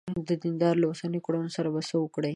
د دیندارانو له اوسنیو کړنو سره به څه وکړې.